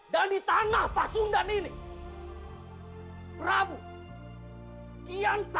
dosa deh sudah tahu kan